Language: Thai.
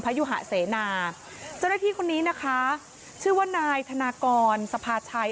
ยุหะเสนาเจ้าหน้าที่คนนี้นะคะชื่อว่านายธนากรสภาชัย